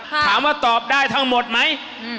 ถามว่าตอบได้ทั้งหมดไหม